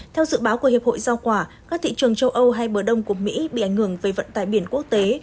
theo dự báo của hiệp hội giao quả các thị trường châu âu hay bờ đông của mỹ bị ảnh hưởng về vận tải biển quốc tế